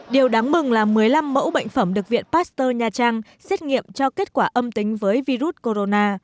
điều đáng mừng là một mươi năm mẫu bệnh phẩm được viện pasteur nha trang xét nghiệm cho kết quả âm tính với virus corona